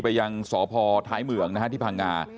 ไปยังสพท้ายเมืองที่ผ่างงา